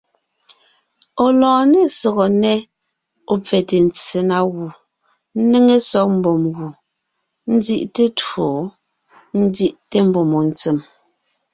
Ɔ̀ lɔɔn ne sɔgɔ nnɛ́, ɔ̀ pfɛte ntse na gù, ńnéŋe sɔg mbùm gù, ńzí’te twó jú, ńzí’te mbùm jù ntsèm.